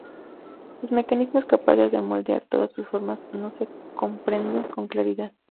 Los mecanismos capaces de moldear todas sus formas no se comprenden con claridad.